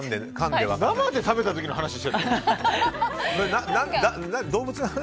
生で食べた時の話してんの？